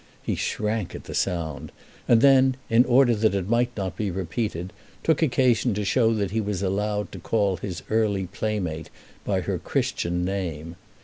He shrank at the sound, and then, in order that it might not be repeated, took occasion to show that he was allowed to call his early playmate by her Christian name.